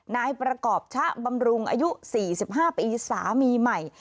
นายประกอบชะบำรุงอายุ๔๕ปีสามีใหม่